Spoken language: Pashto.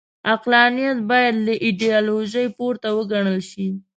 عقلانیت باید له ایډیالوژیو پورته وګڼل شي.